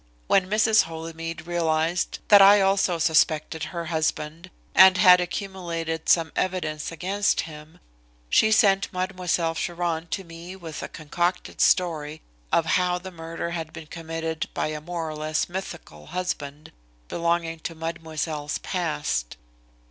When Mrs. Holymead realised that I also suspected her husband and had accumulated some evidence against him, she sent Mademoiselle Chiron to me with a concocted story of how the murder had been committed by a more or less mythical husband belonging to Mademoiselle's past.